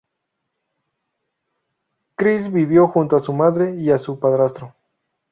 Chris vivió junto a su madre y a su padrastro.